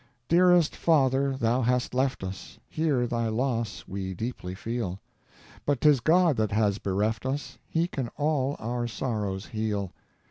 Dearest father, thou hast left us, Here thy loss we deeply feel; But 'tis God that has bereft us, He can all our sorrows heal.